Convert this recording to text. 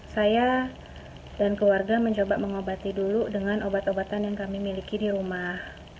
saya dan keluarga mencoba mengobati dulu dengan obat obatan yang kami miliki di rumah